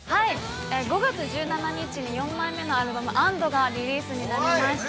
５月１７日に４枚目のアルバム「＆」がリリースされました。